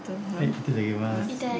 いただきます。